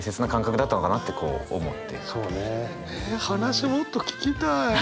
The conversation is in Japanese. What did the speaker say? え話もっと聞きたい。